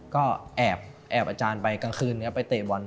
ก็แอบแอบอาจารย์ไปกลางคืนไปเตะวัน